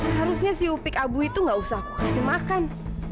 harusnya si upik abu itu gak usah aku kasih makan